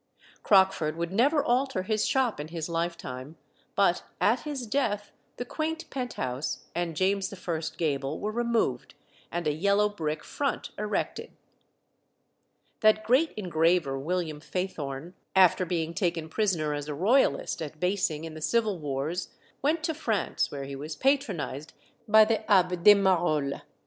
Crockford would never alter his shop in his lifetime; but at his death the quaint pent house and James I. gable were removed, and a yellow brick front erected. That great engraver, William Faithorne, after being taken prisoner as a Royalist at Basing in the Civil Wars, went to France, where he was patronised by the Abbé de Marolles.